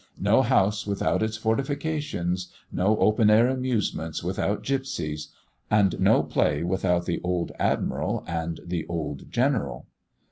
No house without its fortifications no open air amusements without gipsies and no play without the old Admiral and the old General.